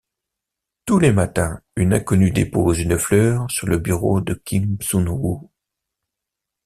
Tous les matins, une inconnue dépose une fleur sur le bureau de Kim Sun-woo.